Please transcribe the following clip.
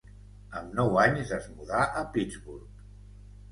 Amb nou anys es mudà a Pittsburgh.